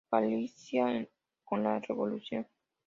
Galicia con la revolución".